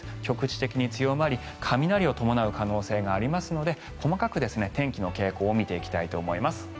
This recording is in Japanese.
局地的に強まり雷を伴う恐れがありますので細かく天気の傾向を見ていきたいと思います。